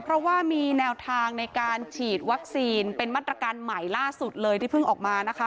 เพราะว่ามีแนวทางในการฉีดวัคซีนเป็นมาตรการใหม่ล่าสุดเลยที่เพิ่งออกมานะคะ